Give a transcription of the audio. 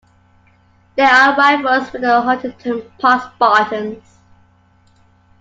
They are rivals with the Huntington Park Spartans.